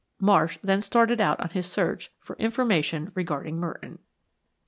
Marsh then started out on his search for information regarding Merton.